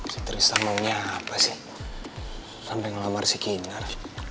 si tristan mau nyapa sih sambil ngelamar si kinar